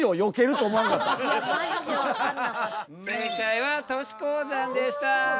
正解は都市鉱山でした。